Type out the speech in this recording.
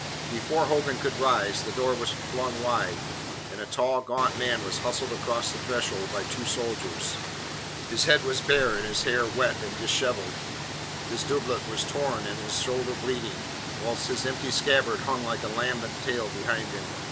Before Hogan could rise, the door was flung wide, and a tall, gaunt man was hustled across the threshold by two soldiers. His head was bare, and his hair wet and dishevelled. His doublet was torn and his shoulder bleeding, whilst his empty scabbard hung like a lambent tail behind him.